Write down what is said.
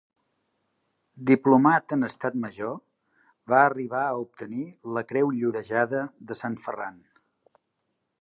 Diplomat en Estat Major, va arribar a obtenir la Creu Llorejada de Sant Ferran.